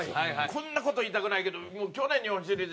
こんな事言いたくないけど去年の日本シリーズ